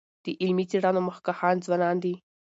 د علمي څېړنو مخکښان ځوانان دي.